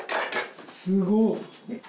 すごっ！